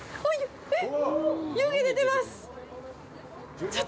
えっ！